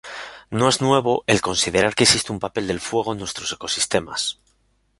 No es nuevo el considerar que existe un papel del fuego en nuestros ecosistemas.